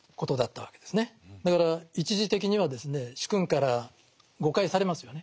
だから一時的にはですね主君から誤解されますよね。